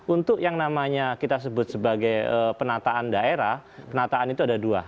untuk yang namanya kita sebut sebagai penataan daerah penataan itu ada dua